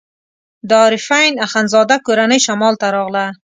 د عارفین اخندزاده کورنۍ شمال ته راغله.